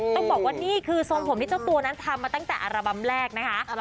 ต้องบอกว่านี่คือทรงผมที่เจ้าตัวนั้นทำมาตั้งแต่อัลบั้มแรกนะคะ